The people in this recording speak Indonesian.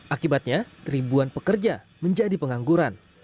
akibatnya ribuan pekerja menjadi pengangguran